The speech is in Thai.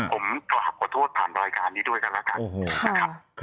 ผมขอหับขอโทษผ่านรายการนี้ด้วยกันแล้วกัน